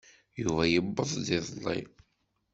Yuba yewweḍ-d iḍelli.